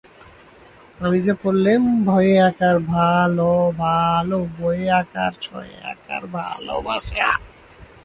আমি যে পড়লেম ভয়ে আকার ভা, ল, ভাল, বয়ে আকার সয়ে আকার ভালোবাসা।